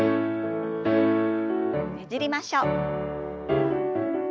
ねじりましょう。